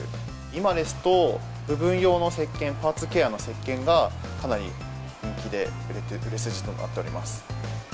今ですと、部分用のせっけん、パーツケアのせっけんがかなり人気で、売れ筋となっております。